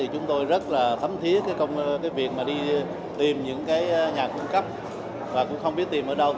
chúng tôi rất thấm thiết việc đi tìm những nhà cung cấp và cũng không biết tìm ở đâu